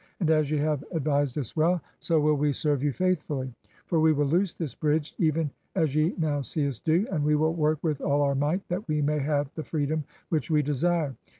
And as ye have advised us well, so will we serve you faithfully. For we will loose this bridge, even as ye now see us do, and we will work with all our might that we may have the freedom which we desire.